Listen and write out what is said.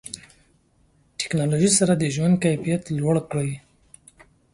ټکنالوژي سره د ژوند کیفیت لوړ کړئ.